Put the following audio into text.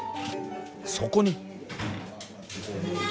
そこに。